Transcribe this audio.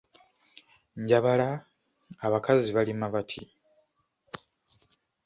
Njabala abakazi balima bati,